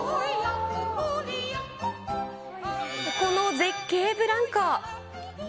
この絶景ブランコ。